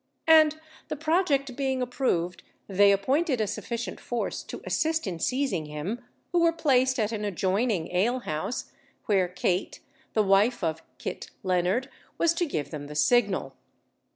And the project being approved they appointed a sufficient force to assist in seizing him, who were placed at an adjoining alehouse, where Kate, the wife of Kit Leonard, was to give them the signal.